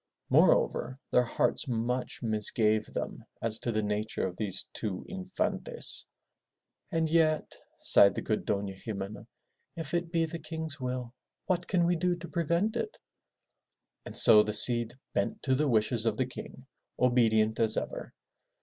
Moreover, their hearts much misgave them as to the nature of these two Infantes. And yet," sighed the good Dofia Ximena, '*if it be the King's will, what can we do to prevent it?'* And so the Cid bent to the wishes of the King, obedient as ever.